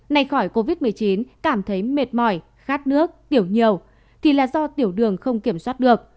nay khỏi covid một mươi chín cảm thấy mệt mỏi khát nước tiểu nhiều thì là do tiểu đường không kiểm soát được